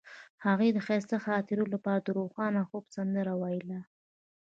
هغې د ښایسته خاطرو لپاره د روښانه خوب سندره ویله.